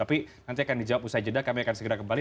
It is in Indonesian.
tapi nanti akan dijawab usai jeda kami akan segera kembali